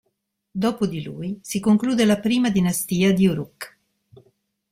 Dopo di lui si conclude la I dinastia di Uruk.